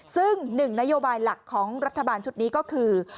ซึ่งหนึ่งนโยบายหลักของรัฐบาลชุดนี้ก็คือ